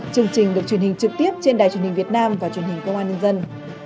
chương trình được truyền hình trực tiếp trên đài truyền hình việt nam và truyền hình công an nhân dân